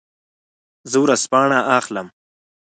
زه ورځپاڼه اخلم.